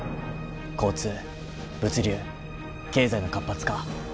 交通物流経済の活発化。